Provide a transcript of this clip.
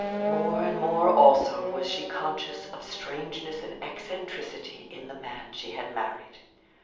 More and more, also, was she conscious of strangeness and eccentricity in the man she had married.